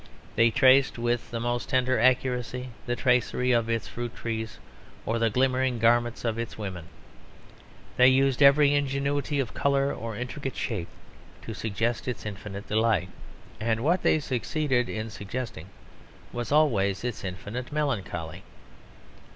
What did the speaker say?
They traced with the most tender accuracy the tracery of its fruit trees or the glimmering garments of its women; they used every ingenuity of colour or intricate shape to suggest its infinite delight. And what they succeeded in suggesting was always its infinite melancholy.